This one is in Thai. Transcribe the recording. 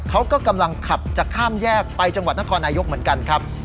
เขาก็กำลังขับจะข้ามแยกไปจังหวัดนครนายกเหมือนกันครับ